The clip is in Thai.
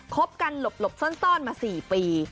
คบกันหลบซ่อนมา๔ปี